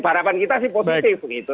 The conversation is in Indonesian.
barapan kita sih positif gitu